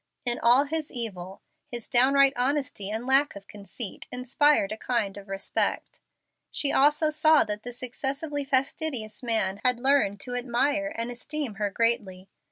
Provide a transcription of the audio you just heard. In all his evil, his downright honesty and lack of conceit inspired a kind of respect. She also saw that this excessively fastidious man had learned to admire and esteem her greatly.